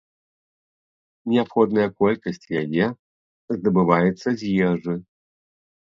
Неабходная колькасць яе здабываецца з ежы.